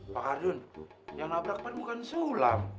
pak ardun yang nabrak kan bukan seulam